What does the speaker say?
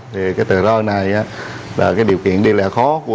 thì cái tờ rơi này là cái điều kiện đi lẹ khó